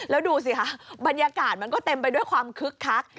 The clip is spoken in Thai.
แล้วดูสิคะบรรยากาศมันก็เต็มไปด้วยความคึกคัก